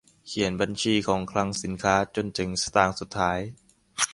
เขียนบัญชีของคลังสินค้าจนถึงสตางค์สุดท้าย